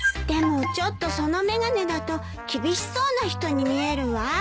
でもちょっとその眼鏡だと厳しそうな人に見えるわ。